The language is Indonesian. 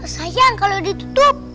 sayang kalau ditutup